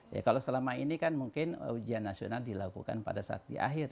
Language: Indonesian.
ya kalau selama ini kan mungkin ujian nasional dilakukan pada saat di akhir